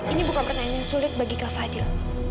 ini bukan pertanyaan yang sulit bagi kak fadil